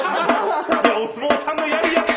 いやお相撲さんのやるやつ！